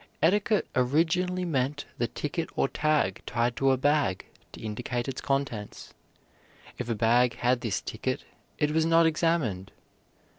Etiquette originally meant the ticket or tag tied to a bag to indicate its contents. If a bag had this ticket it was not examined.